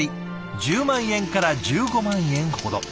１０万円から１５万円ほど。